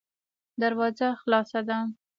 دروازه خلاصه ده.